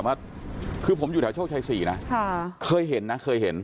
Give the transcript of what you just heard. แต่ว่าผมอยู่แถวโชชัย๔นะเคยเห็น